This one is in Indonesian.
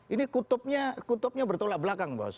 ini kutubnya bertolak belakang bos